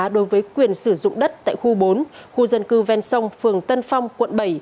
đối với quyền sử dụng đất tại khu bốn khu dân cư ven sông phường tân phong quận bảy